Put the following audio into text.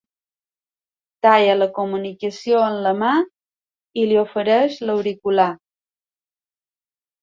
Talla la comunicació amb la mà i li ofereix l'auricular.